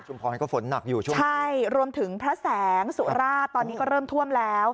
พรก็ฝนหนักอยู่ใช่ไหมใช่รวมถึงพระแสงสุราชตอนนี้ก็เริ่มท่วมแล้ว